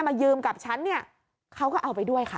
มายืมกับฉันเนี่ยเขาก็เอาไปด้วยค่ะ